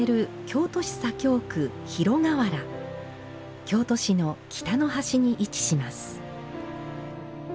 京都市の北の端に位置します。